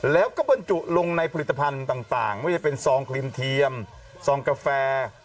แล้วก็บรรจุลงในผลิตภัณฑ์ต่างไม่ว่าจะเป็นซองครีมเทียมซองกาแฟ